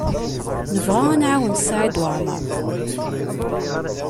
Nebɣa ad nɛawen Saɛid Waɛmaṛ.